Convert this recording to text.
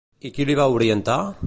I qui li va orientar?